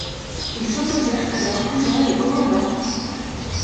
Ils s'opposèrent à leurs cousins les Kaurava.